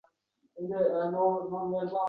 Ustiga-ustak, qiziqishlari ayricha bo‘lgani boisidan